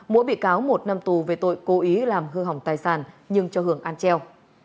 mỗi bị cáo một năm tù về tội cố ý làm hư hỏng tài sản nhưng cho hưởng an treo